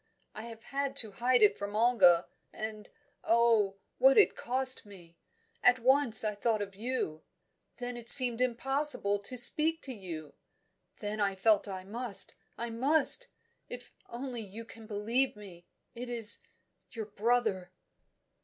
I have had to hide it from Olga, and oh! what it cost me! At once I thought of you; then it seemed impossible to speak to you; then I felt I must, I must. If only you can believe me! It is your brother."